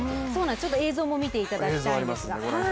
ちょっと映像も見ていただきたいんですが。